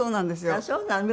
ああそうなの？